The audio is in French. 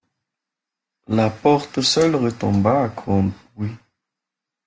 La porte seule retomba, à grand bruit.